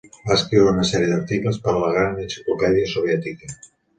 Va escriure una sèrie d'articles per a la Gran Enciclopèdia Soviètica.